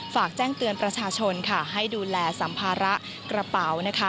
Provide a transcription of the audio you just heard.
ฝากแจ้งเตือนประชาชนค่ะให้ดูแลสัมภาระกระเป๋านะคะ